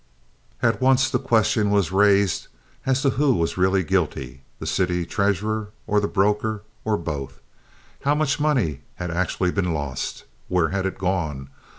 At once the question was raised as to who was really guilty, the city treasurer or the broker, or both. How much money had actually been lost? Where had it gone?